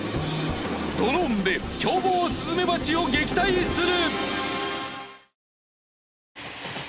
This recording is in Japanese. ドローンで凶暴スズメバチを撃退する！